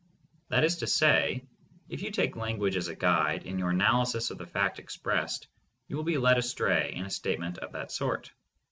That is to say, if you take language as a guide in your analysis of the fact expressed, you will be led astray in a statement of that sort.